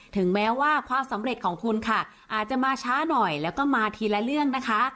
ถึงแม้ว่าความสำเร็จของคุณค่ะอาจจะมาช้าหน่อยแล้วก็มาทีละเรื่องนะคะ